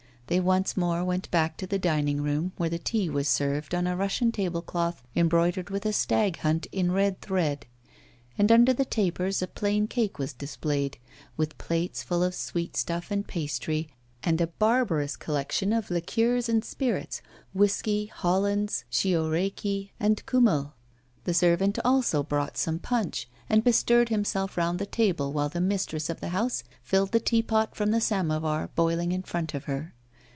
They once more went back to the dining room, where the tea was served on a Russian tablecloth embroidered with a stag hunt in red thread; and under the tapers a plain cake was displayed, with plates full of sweetstuff and pastry, and a barbarous collection of liqueurs and spirits, whisky, hollands, Chio raki, and kummel. The servant also brought some punch, and bestirred himself round the table, while the mistress of the house filled the teapot from the samovar boiling in front of her.